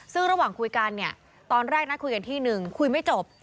ซึ่งระหว่างคุยกันเนี่ยตอนแรกนัดคุยกันที่หนึ่งคุยไม่จบ